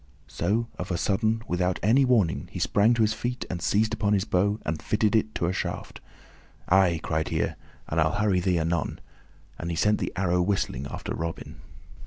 So, of a sudden, without any warning, he sprang to his feet, and seized upon his bow and fitted it to a shaft. "Ay," cried he, "and I'll hurry thee anon." And he sent the arrow whistling after Robin.